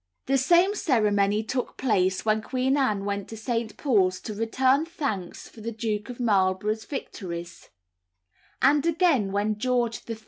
The same ceremony took place when Queen Anne went to St. Paul's to return thanks for the Duke of Marlborough's victories, and again when George III.